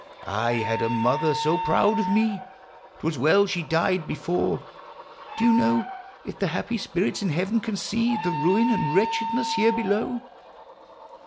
I had a mother so proud of me ! 'T was well she died before — Do you know If the happy spirits in heaven can see The ruin and wretchedness here below